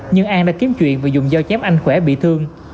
nhưng an đã kiếm chuyện và dùng do chép anh khỏe bị thương